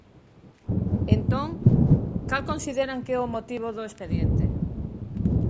Entón, cal consideran que é o motivo do expediente?